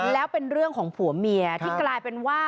แล้วเป็นเรื่องของผัวเมียที่กลายเป็นว่า